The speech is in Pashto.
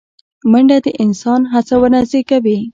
منډه د انسان هڅونه زیږوي